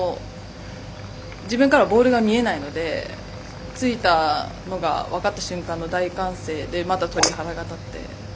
自分からはボールが見えないのでついたのが分かった瞬間の大歓声で、また鳥肌が立って。